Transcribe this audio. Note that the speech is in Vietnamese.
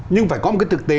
nhưng phải có một cái thực tế